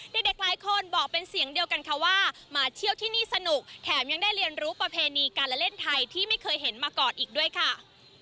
เด็กหลายคนบอกเป็นเสียงเดียวกันค่ะว่ามาเที่ยวที่นี่สนุกแถมยังได้เรียนรู้ประเพณีการละเล่นไทยที่ไม่เคยเห็นมาก่อนอีกด้วยค่ะ